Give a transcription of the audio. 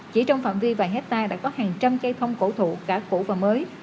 chỉ trong phạm vi vài hectare đã có hàng trăm cây thông cổ thụ cả cũ và mới